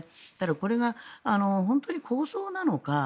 これが本当に抗争なのか